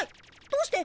どうして？